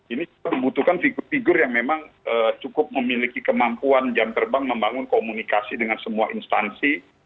ini kita membutuhkan figur figur yang memang cukup memiliki kemampuan jam terbang membangun komunikasi dengan semua instansi